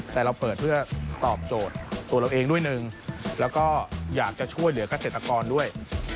แต่เราเปิดเพื่อตอบโจทย์ตัวเราเองด้วยหนึ่งแล้วก็อยากจะช่วยเหลือกเกษตรกรด้วย